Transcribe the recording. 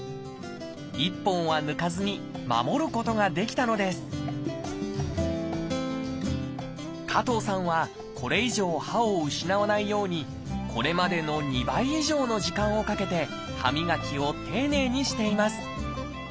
１本は抜かずに守ることができたのです加藤さんはこれ以上歯を失わないようにこれまでの２倍以上の時間をかけて歯磨きを丁寧にしています。